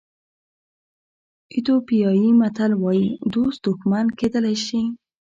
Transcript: ایتیوپیایي متل وایي دوست دښمن کېدلی شي.